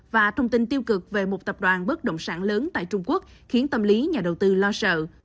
và thông tin tiêu cực về một tập đoàn bất động sản lớn tại trung quốc khiến tâm lý nhà đầu tư lo sợ